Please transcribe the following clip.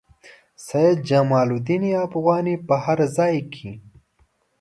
سید جمال الدین افغاني په هر ځای کې.